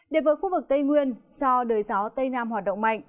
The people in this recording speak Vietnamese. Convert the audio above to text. đến với khu vực tây nguyên do đời gió tây nam hoạt động mạnh